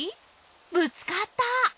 ぶつかった！